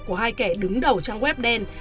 của hai kẻ đứng đầu trang web đen